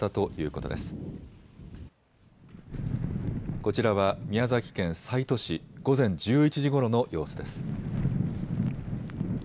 こちらは宮崎県西都市、午前１１時ごろの様子です。